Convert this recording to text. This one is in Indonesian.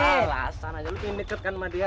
alasan aja lu di deket kan sama dia